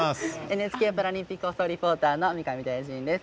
ＮＨＫパラリンピック放送リポーターの三上大進です。